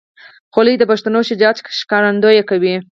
خولۍ د پښتنو شجاعت ښکارندویي کوي.